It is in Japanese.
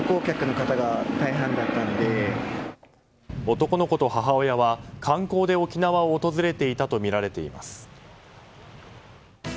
男の子と母親は、観光で沖縄を訪れていたとみられています。